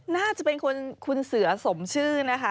น่าจะเป็นคนคุณเสือสมชื่อนะคะ